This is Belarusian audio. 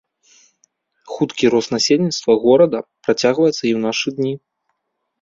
Хуткі рост насельніцтва горада працягваецца і ў нашы дні.